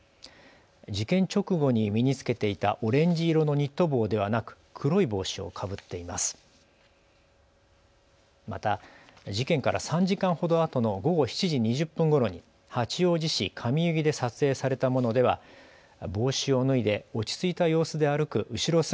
事件直後に身につけていたオレンジ色のニット帽ではなく黒い帽子をかぶっています。